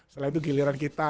setelah itu giliran kita